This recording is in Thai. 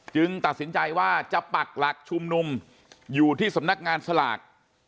ตัดสินใจว่าจะปักหลักชุมนุมอยู่ที่สำนักงานสลาก